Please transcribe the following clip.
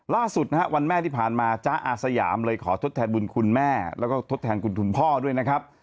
ล่าสุดนะฮะวันแม่ที่ผ่านมาจ๊ะอาสยามเลยขอทดแทนบุญคุณแม่แล้วก็ทดแทนคุณคุณพ่อด้วยนะครับ